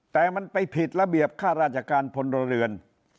แต่มันไปผิดระเบียบค่าราชการพลเรือน